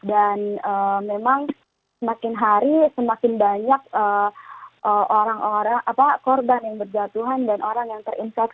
dan memang semakin hari semakin banyak korban yang berjatuhan dan orang yang terinfeksi virus ini